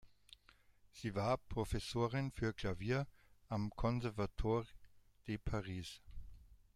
Sie war Professorin für Klavier am Conservatoire de Paris.